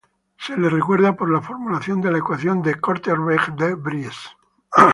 Se le recuerda por la formulación de la Ecuación de Korteweg–de Vries.